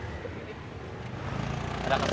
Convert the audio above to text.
sengguh kena bers differently